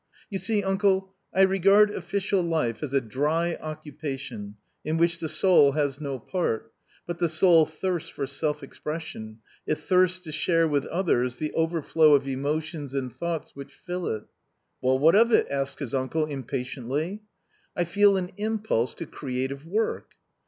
" You see, uncle, I regard official life as a dry occupa tion, in which the soul has no part, but the soul thirsts for self expression, it thirsts to share with others the overflow of emotions and thoughts which fill it" " Well, what of it ?" asked his uncle impatiently. \" I feel an impulse to creative work."